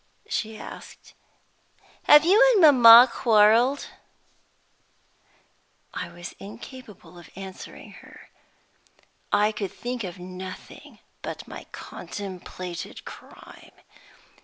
she asked. "Have you and mamma quarreled?" I was incapable of answering her I could think of nothing but my contemplated crime.